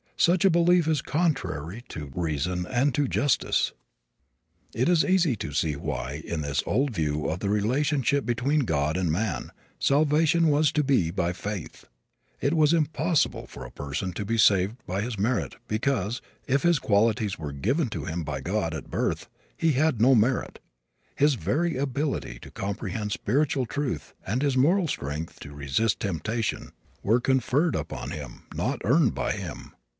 Such a belief is contrary to reason and to justice. It is easy to see why, in this old view of the relationship between God and man, salvation was to be by faith. It was impossible for a person to be saved by his merit because, if his qualities were given to him by God at birth, he had no merit. His very ability to comprehend spiritual truth and his moral strength to resist temptation, were conferred upon him, not earned by him.